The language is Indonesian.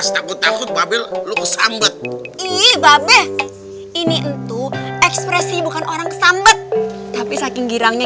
takut takut babel lu kesambet ii babeh ini itu ekspresi bukan orang kesambet tapi saking girangnya